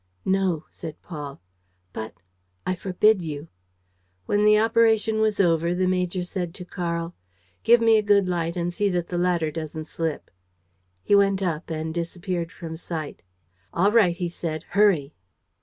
"No," said Paul. "But ..." "I forbid you." When the operation was over, the major said to Karl: "Give me a good light and see that the ladder doesn't slip." He went up and disappeared from sight. "All right," he said. "Hurry."